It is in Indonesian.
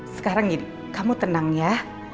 sekarang jadi kamu tenang ya